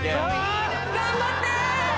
頑張って！